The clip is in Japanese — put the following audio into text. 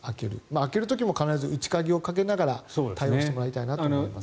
開ける時も必ず内鍵をかけながら対応してもらいたいと思います。